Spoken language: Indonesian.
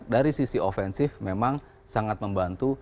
dari sisi ofensif memang sangat membantu